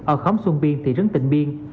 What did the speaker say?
ở khóm xuân biên thị trấn tỉnh biên